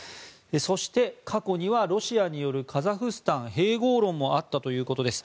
そして、過去にはロシアによるカザフスタン併合論もあったということです。